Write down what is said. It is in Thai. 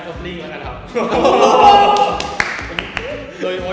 แหละอันนี้หนึ่งแล้วนะครับ